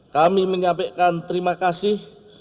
kami menyampaikan terima kasih